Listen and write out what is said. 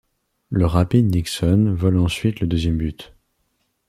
Le rapide Nixon vole ensuite le deuxième but.